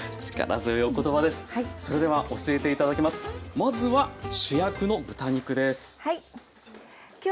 まずは主役の豚肉です。